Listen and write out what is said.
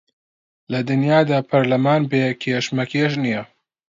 لە دنیادا پەرلەمان بێ کێشمەکێش نییە